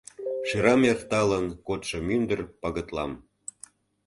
Шерам эрталын кодшо мӱндыр пагытлам.